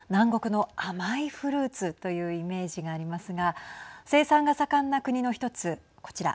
マンゴーというと南国の甘いフルーツというイメージがありますが生産が盛んな国の一つこちら。